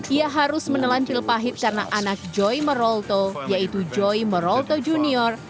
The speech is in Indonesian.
ia harus menelan pil pahit karena anak joy morolto yaitu joy morolto junior